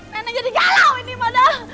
neneng jadi galau ini mah dah